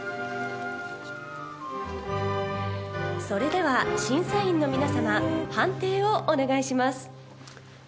それでは審査員の皆さま判定をお願いします。